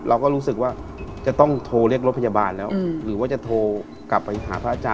เราก็รู้สึกว่าจะต้องโทรเรียกรถพยาบาลแล้วหรือว่าจะโทรกลับไปหาพระอาจาร